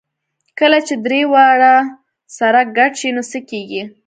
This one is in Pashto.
کله چې درې واړه سره ګډ شي نو څه کېږي؟